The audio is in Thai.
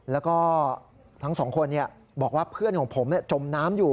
แล้วก็ทั้งสองคนบอกว่าเพื่อนของผมจมน้ำอยู่